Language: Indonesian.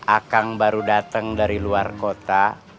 akang baru datang dari luar kota